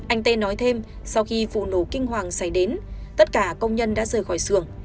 anh tê nói thêm sau khi vụ nổ kinh hoàng xảy đến tất cả công nhân đã rời khỏi xưởng